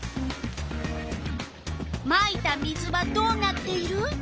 まいた水はどうなっている？